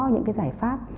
những cái giải pháp